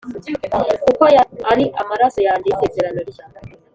kuko aya ari amaraso yanjye y’isezerano rishya